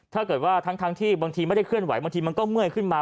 ทั้งที่บางทีไม่ได้เคลื่อนไหวบางทีมันก็เมื่อยขึ้นมา